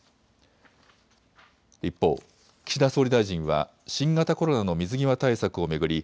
一方、岸田総理大臣は新型コロナの水際対策を巡り